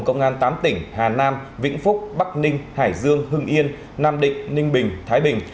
công an tám tỉnh hà nam vĩnh phúc bắc ninh hải dương hưng yên nam định ninh bình thái bình